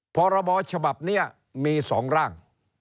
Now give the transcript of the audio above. พรบฉบับนี้มี๒ร่าง